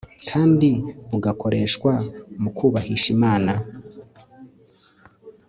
kandi bugakoreshwa mu kubahisha Imana